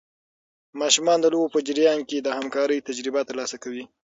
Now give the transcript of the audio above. ماشومان د لوبو په جریان کې د همکارۍ تجربه ترلاسه کوي.